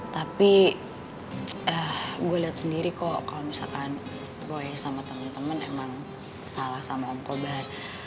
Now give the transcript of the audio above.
tapi gue liat sendiri kok kalo misalkan boy sama temen temen emang salah sama om kobar